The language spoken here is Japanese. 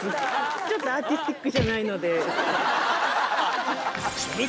ちょっとアーティスティックじゃないので。